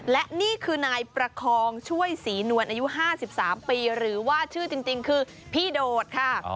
และนี่คือนายประคองช่วยศรีนวลอายุ๕๓ปีหรือว่าชื่อจริงคือพี่โดดค่ะ